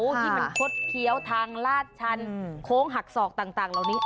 ที่มันคดเคี้ยวทางลาดชันโค้งหักศอกต่างเหล่านี้